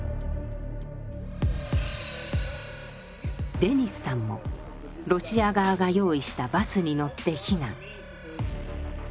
デニスさんもロシア側が用意したバスに乗って避難。